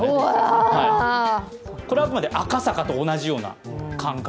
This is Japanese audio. これはあくまで赤坂と同じような感覚。